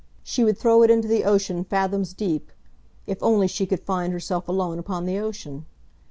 She would throw it into the ocean fathoms deep, if only she could find herself alone upon the ocean.